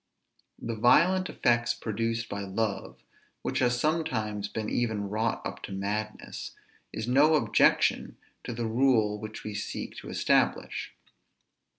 The violent effects produced by love, which has sometimes been even wrought up to madness, is no objection to the rule which we seek to establish.